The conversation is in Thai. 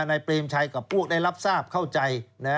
นายเปรมชัยกับพวกได้รับทราบเข้าใจ